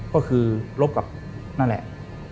ก็คือลบกับนั่นแหละ